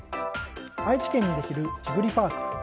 愛知県にできるジブリパーク。